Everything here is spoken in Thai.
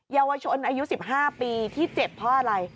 เยาวชนอายุ๑๕ปีที่เจ็บเพราะอะไร